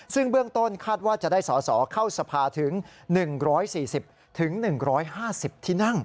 ซึ่งเบื้องต้นคาดว่าจะได้สอสอเข้าสภาถึง๑๔๐๑๕๐ที่นั่ง